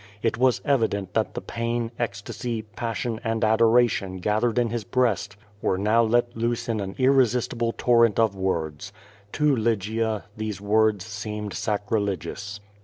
H was evident that the ])ain, ecsta^^y, passion and adoration gathered in his breast were now let loose in an ir resistible torrent of words. To Lygia these words seemed sacrilegious.